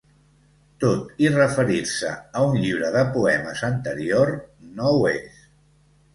Tot i referir-se a un llibre de poemes anterior, no ho és.